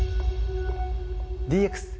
ＤＸ